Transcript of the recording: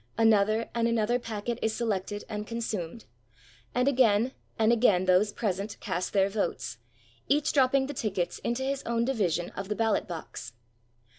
Another and another packet is selected and consumed, and again and again those present cast their votes, each dropping the tickets into his own division of the ballot box.